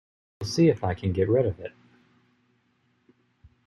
We'll see if I can get rid of it.